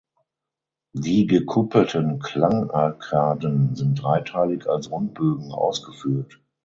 Die gekuppelten Klangarkaden sind dreiteilig als Rundbögen ausgeführt.